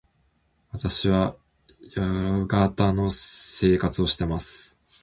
私は夜型の生活をしています。